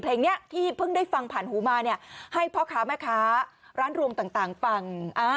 เพลงนี้ที่เพิ่งได้ฟังผ่านหูมาเนี่ยให้พ่อค้าแม่ค้าร้านรวมต่างฟัง